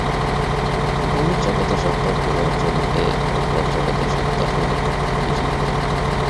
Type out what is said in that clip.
বহির্জগতের সত্তা অপরিহার্য-রূপে অন্তর্জগতের সত্তার সহিত বিজড়িত।